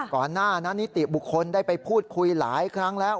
ก่อนหน้านั้นนิติบุคคลได้ไปพูดคุยหลายครั้งแล้ว